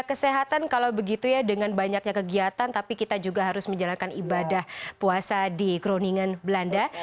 kesehatan kalau begitu ya dengan banyaknya kegiatan tapi kita juga harus menjalankan ibadah puasa di groningan belanda